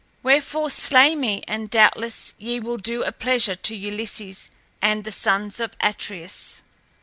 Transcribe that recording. Wherefore slay me and doubtless ye will do a pleasure to Ulysses and the sons of Atreus."